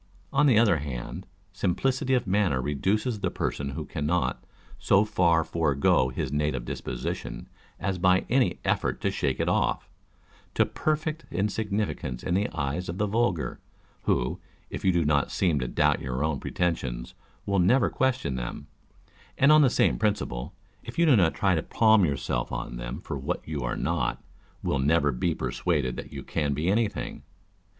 On the other hand, simplicity of manner reduces the person who cannot so far forego his native disposition as by any effort to shake it off, to perfect insignificance in the eyes of the vulgar, who, if you do not seem to doubt your own pretensions, will never question them ; and on the same principle, if you do not try to palm yourself on them for what you are not, will never be persuaded that you can be anything.